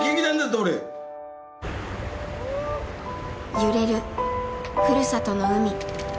揺れるふるさとの海。